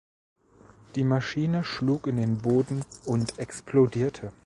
Die Maschine schlug in den Boden und explodierte.